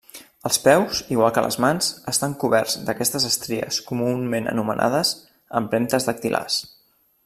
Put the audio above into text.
Els peus, igual que les mans, estan coberts d'aquestes estries comunament anomenades empremtes dactilars.